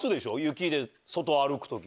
雪で外歩く時。